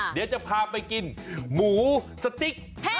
เดี๋ยวจะพาไปกินหมูสติ๊ก